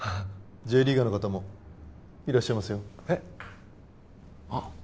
Ｊリーガーの方もいらっしゃいますよえっあ